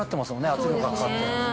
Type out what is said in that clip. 圧力がかかって。